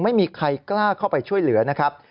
ไม่มีใครกล้าเข้าไปช่วยเหลือนะครับ